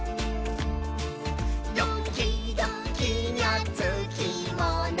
「ドキドキにゃつきものさ」